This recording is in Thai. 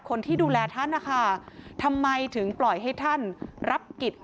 คนที่ดูแลท่านนะคะทำไมถึงปล่อยให้ท่านรับกิจ